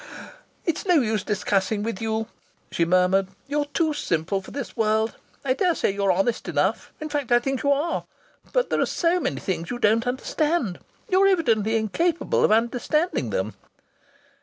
"It's no use discussing with you," she murmured. "You're too simple for this world. I daresay you're honest enough in fact, I think you are but there are so many things that you don't understand. You're evidently incapable of understanding them."